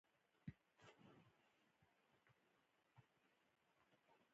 ایا دولتي روغتون ته تللی شئ؟